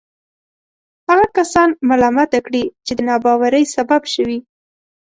هغه کسان ملامته کړي چې د ناباورۍ سبب شوي.